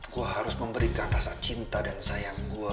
gue harus memberikan rasa cinta dan sayang gue